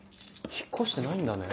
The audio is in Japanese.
引っ越してないんだね。